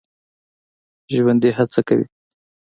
ژوندي هڅه کوي